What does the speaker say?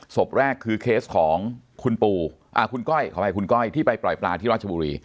ศพแรกคือเคสของคุณก้อยที่ไปปล่อยปลาที่ราชบุรี